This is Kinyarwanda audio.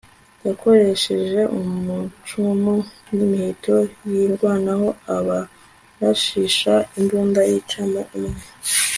yakorehsje amacumu n'imiheto yirwanaho abarashisha imbunda yicamo umwe